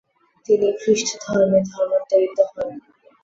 তিনি খ্রিস্টধর্মে ধর্মান্তরিত হন।